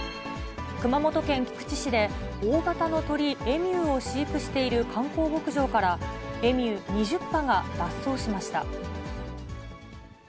熊本県菊池市で、大型の鳥、エミューを飼育している観光牧場から、エミュー２０羽が脱走しました。